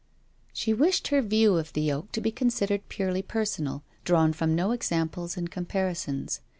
She wished her view of the yoke to be considered purely personal, drawn from no examples and comparisons.